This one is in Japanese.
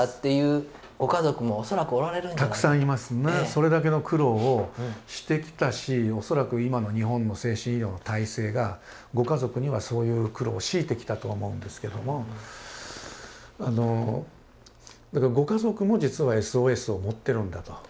それだけの苦労をしてきたし恐らく今の日本の精神医療の体制がご家族にはそういう苦労を強いてきたと思うんですけどもあのだからご家族も実はＳＯＳを持ってるんだと。